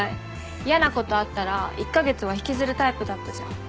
嫌なことあったら１カ月は引きずるタイプだったじゃん。